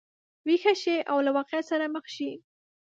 ویښه شي او له واقعیت سره مخ شي.